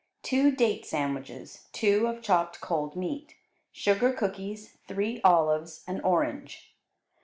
Two date sandwiches, two of chopped cold meat; sugar cookies; three olives; an orange.